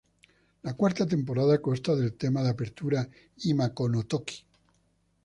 La Cuarta temporada consta del tema de apertura "Ima, Kono Toki.